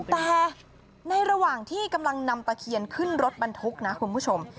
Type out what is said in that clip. แต่ในระหว่างที่กำลังนำตะเคียนขึ้นรถบรรทุกนะคุณผู้ชม